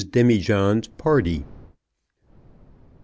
DEMIJOHN'S PARTY. Mrs.